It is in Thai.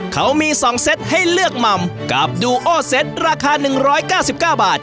เขามีสองเซ็ตให้เลือกมัมกับดูโอเซ็ตราคาหนึ่งร้อยเก้าสิบก้าบาท